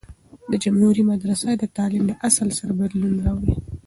د جمهوری مدرسه د تعلیم د اصل سره بدلون راووي.